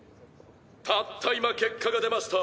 たった今結果が出ました。